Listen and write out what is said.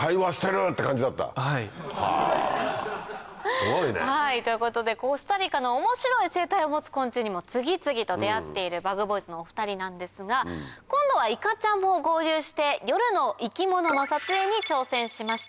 すごいね！ということでコスタリカの面白い生態を持つ昆虫にも次々と出合っているＢｕｇＢｏｙｓのお２人なんですが今度はいかちゃんも合流して夜の生き物の撮影に挑戦しました。